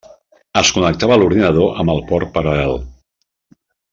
Es connectava a l'ordinador amb el port paral·lel.